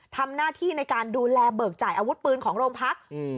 ทำหน้าที่ในการดูแลเบิกจ่ายอาวุธปืนของโรงพัก